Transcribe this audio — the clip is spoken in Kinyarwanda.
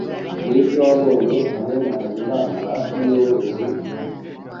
Nibyo wabonye hamwe na Habimana hafi yuruzi?